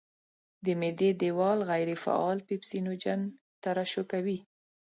د معدې دېوال غیر فعال پیپسوجین ترشح کوي.